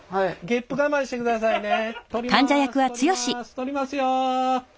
ゲップ我慢してくださいね。